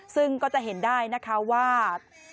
ซึ่งก็จะเห็นได้นะคะว่า